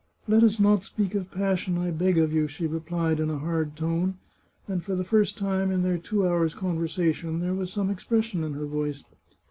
" Let us not speak of passion, I beg of you," she re plied in a hard tone, and for the first time in their two hours' conversation there was some expression in her voice.